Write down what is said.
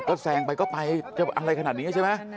ก็แซงไปก็ไปจะอะไรขนาดนี้ใช่ไหม